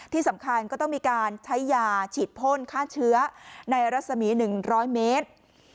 ที่สำคัญก็ต้องมีการใช้ยาฉีดพ่นฆ่าเชื้อในรัศมี๑๐๐เมตร